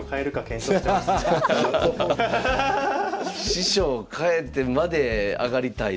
師匠を変えてまで上がりたいという。